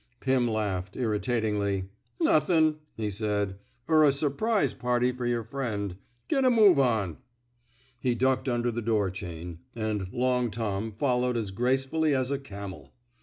'' Pirn laughed, irritatingly. NuthinV' he said, er a su 'prise party fer yer friend. Get a move on." He ducked under the door chain, and *' Long Tom " followed as gracefully as a camel.